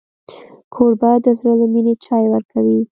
کوربه د زړه له مینې چای ورکوي.